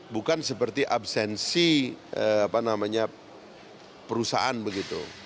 bukan seperti absensi perusahaan begitu